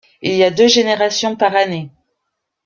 Il y a deux générations par année.